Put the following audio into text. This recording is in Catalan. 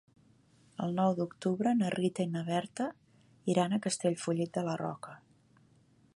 El nou d'octubre na Rita i na Berta iran a Castellfollit de la Roca.